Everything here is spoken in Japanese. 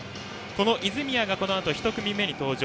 泉谷がこのあと１組目に登場。